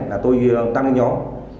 là tôi tăng nhóm